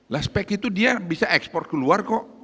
lah spek itu dia bisa ekspor keluar kok